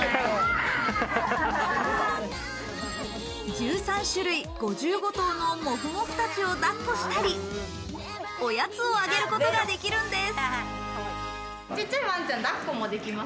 １３種類５５頭のモフモフ達を抱っこしたり、おやつをあげることができるんです。